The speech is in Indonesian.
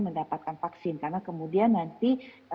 mendapatkan vaksin karena kemudian nanti